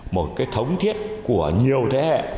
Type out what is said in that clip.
một cái thống thiết của nhiều thế hệ